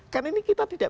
kan ini kita tidak